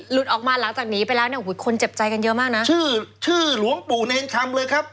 ออกมาหลังจากหนีไปแล้วเนี่ยอุ้ยคนเจ็บใจกันเยอะมากนะชื่อชื่อหลวงปู่เนรคำเลยครับ